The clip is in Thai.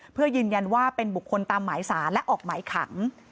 เพื่อยืนยันว่าเป็นบุคคลตามหมายสารและออกหมายขัง